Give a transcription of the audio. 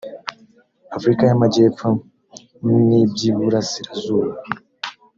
afurika y amajyepfo n iby iburasirazuba